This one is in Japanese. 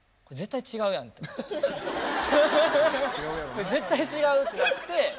これ絶対違うってなって。